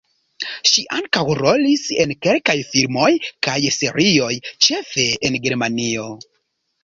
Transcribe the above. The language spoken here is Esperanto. Ŝi ankaŭ rolis en kelkaj filmoj kaj serioj, ĉefe en Germanio.